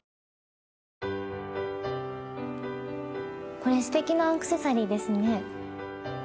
これすてきなアクセサリーですね。